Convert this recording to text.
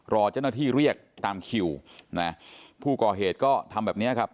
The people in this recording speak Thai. รอเจ้าหน้าที่เรียกตามคิวนะผู้ก่อเหตุก็ทำแบบเนี้ยครับ